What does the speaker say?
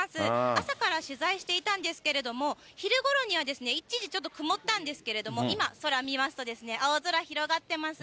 朝から取材していたんですけれども、昼ごろには一時ちょっと曇ったんですけれども、今、空見ますと、青空広がっています。